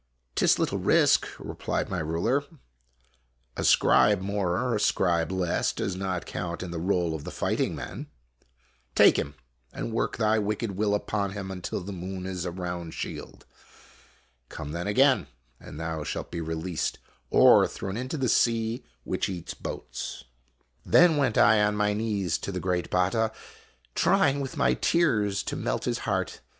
" 'T is little risk," replied my ruler ;" a scribe more or a scribe less does not count in the roll of the fighting men. Take him, and work thy wicked will upon him until the moon is a round shield. Come then again, and thou shalt be released or thrown into the sea which eats boats." Then went I on my knees to the great Batta, trying with my tears to melt his heart.